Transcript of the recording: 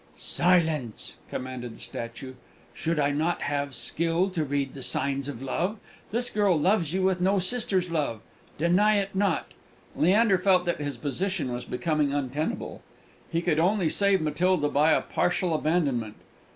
"Silence!" commanded the statue. "Should not I have skill to read the signs of love? This girl loves you with no sister's love. Deny it not!" Leander felt that his position was becoming untenable; he could only save Matilda by a partial abandonment.